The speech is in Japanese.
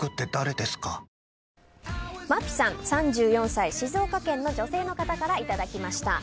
３４歳静岡県の女性の方からいただきました。